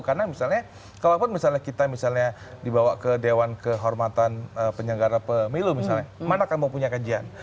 karena misalnya kalau misalnya kita dibawa ke dewan kehormatan penyelenggara pemilu mana kamu punya kajian